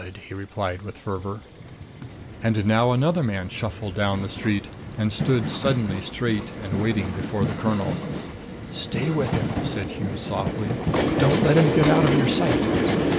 he replied with fervor. And now another man shuffled down the street and stood suddenly straight and waiting before the colonel. "Stay with him," said Hughes softly. "Don't let him get out of your sight."